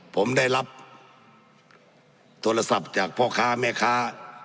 ผมได้รับโทรศัพท์จากพ่อค้าแม่ค้า